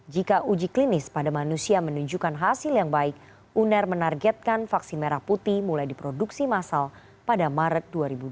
jika uji klinis pada manusia menunjukkan hasil yang baik uner menargetkan vaksin merah putih mulai diproduksi masal pada maret dua ribu dua puluh